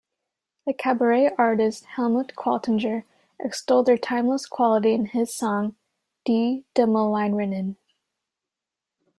The cabaret artist Helmut Qualtinger extoled their timeless quality in his song "Die Demelinerinnen".